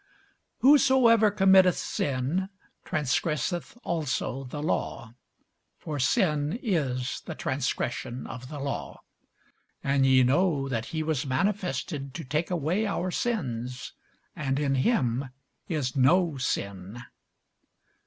Whosoever committeth sin transgresseth also the law: for sin is the transgression of the law. And ye know that he was manifested to take away our sins; and in him is no sin.